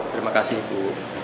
terima kasih ibu